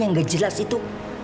yang gak jelas itu